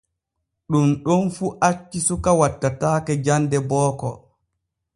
Ɗun ɗon fu acci suka wattataake jande booko.